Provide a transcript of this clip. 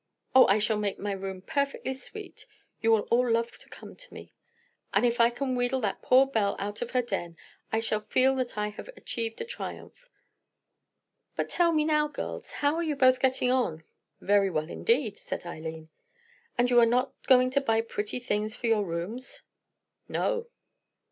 Oh, I shall make my room perfectly sweet. You will all love to come to me; and if I can wheedle that poor old Belle out of her den, I shall feel that I have achieved a triumph. But tell me now, girls, how you are both getting on?" "Very well, indeed," said Eileen. "And you are not going to buy pretty things for your rooms?" "No."